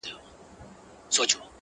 په هغه ورځ خدای ته هيڅ سجده نه ده کړې’